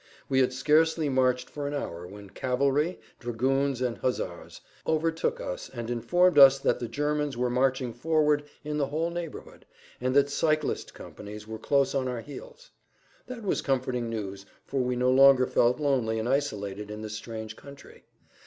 We had scarcely marched for an hour when cavalry, dragoons and huzzars, overtook us and informed us that the Germans were marching forward in the whole neighborhood, and that cyclist companies were close on our heels. That was comforting news, for we no longer felt lonely and isolated in this strange country.